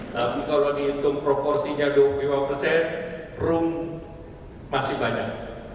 tapi kalau dihitung proporsinya dua puluh lima persen room masih banyak